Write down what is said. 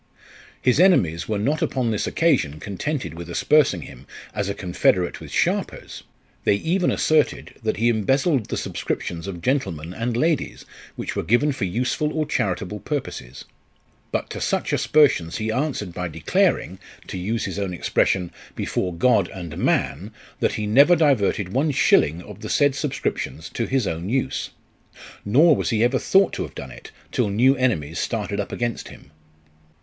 His enemies were not upon this occasion contented with aspersing him, as a confederate with sharpers ; they even asserted, that he embezzled the subscriptions of gentlemen and ladies, which were given for useful or charitable purposes. But to such aspersions he answered by declaring, to use his own expression, before God and man, that he never diverted one shilling of the said subscriptions to his own use ; nor was he ever thought to have done it till new enemies started up against him.